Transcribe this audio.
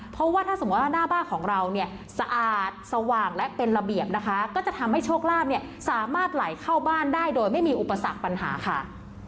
เพราะว่าถ้าสมมุติว่าหน้าบ้านของเราเนี่ยสะอาดสว่างและเป็นระเบียบนะคะก็จะทำให้โชคลาภเนี่ยสามารถไหลเข้าบ้านได้โดยไม่มีอุปสรรคปัญหาค่ะ